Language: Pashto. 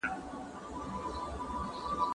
اتلان د وطن ویاړ بلل کېږي.